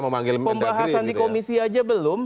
memanggil pembahasan di komisi aja belum